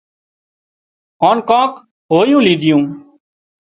هانَ ڪانڪ هويوُون ليڌيون